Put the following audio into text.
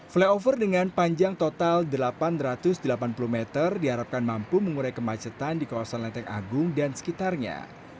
flyover dengan panjang total delapan ratus delapan puluh meter diharapkan mampu mengurai kemacetan di kawasan lenteng agung dan sekitarnya